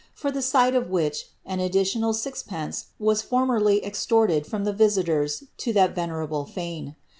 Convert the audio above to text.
for the sight of which an additional sixpence was formerly extoriri from the visitors lo llial venerable fane.